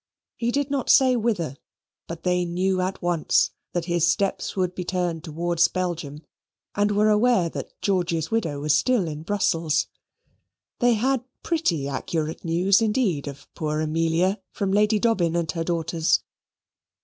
He did not say whither, but they knew at once that his steps would be turned towards Belgium, and were aware that George's widow was still in Brussels. They had pretty accurate news indeed of poor Amelia from Lady Dobbin and her daughters.